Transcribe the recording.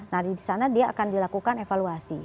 nah di sana dia akan dilakukan evaluasi